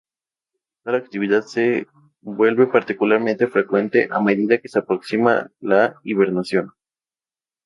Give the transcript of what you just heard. Tal actividad se vuelve particularmente frecuente a medida que se aproxima la hibernación.